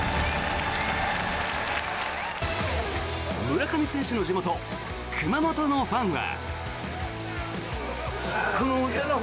村上選手の地元熊本のファンは。